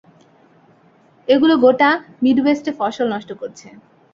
এগুলো গোটা মিডওয়েস্টে ফসল নষ্ট করছে।